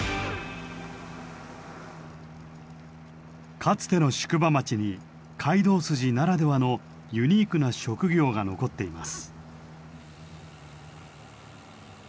かつての宿場町に街道筋ならではのユニークな職業が残っています。